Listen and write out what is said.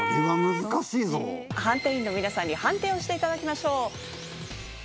判定員の皆さんに判定をして頂きましょう。